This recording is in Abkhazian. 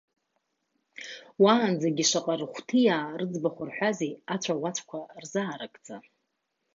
Уаанӡагьы шаҟа рахәҭиаа рыӡбахә рҳәазеи, ацәаӷәацәқәа рзааргӡа.